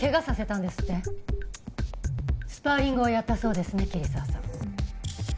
スパーリングをやったそうですね桐沢さん。